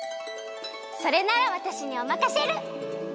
それならわたしにおまかシェル！